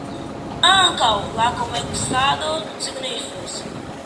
Ankaŭ la komercado signifas.